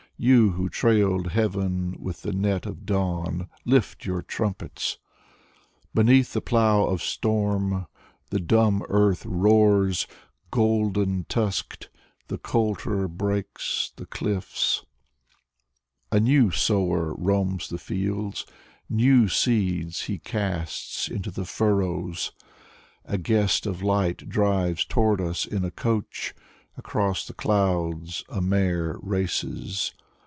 You who trailed heaven with die net of Aacwn^ Lift your trumpets! Beneath die plow of storm The dumb earth roars. Golden tusked, the colter breaks The cli£b. A new sower Roams the fields. New seeds He casts into die furrows. A guest of light drives toward us In a coach. Across the clouds A mare races.